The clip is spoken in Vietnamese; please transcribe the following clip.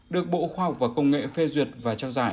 được bộ khoa học và công nghệ phê duyệt và trao giải